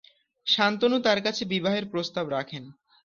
শান্তনু তার কাছে বিবাহের প্রস্তাব রাখেন।